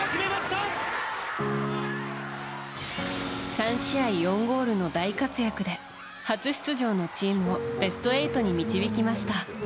３試合４ゴールの大活躍で初出場のチームをベスト８に導きました。